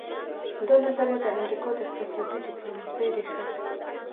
دا نظریه د امریکا د اقتصادي ډیپلوماسي ریښه ده